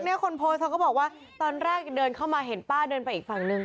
คนโพสต์เขาก็บอกว่าตอนแรกเดินเข้ามาเห็นป้าเดินไปอีกฝั่งนึง